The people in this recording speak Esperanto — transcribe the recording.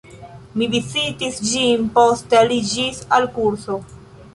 Mi vizitis ĝin, poste aliĝis al kurso.